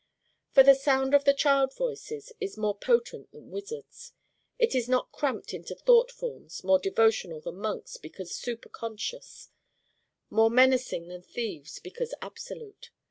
For the Sound of the child Voices is more potent than wizards' it is not cramped into thought forms: more devotional than monks' because super conscious; more menacing than thieves' because absolute.